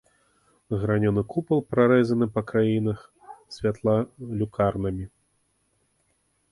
Гранёны купал прарэзаны па краінах святла люкарнамі.